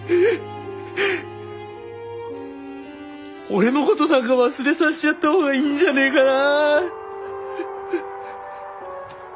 俺のことなんか忘れさせちゃった方がいいんじゃねえかな。